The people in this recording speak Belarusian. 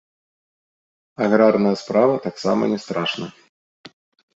Аграрная справа таксама не страшна.